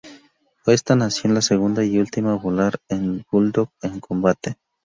Fue esta nación la segunda y última en volar los Bulldog en combate.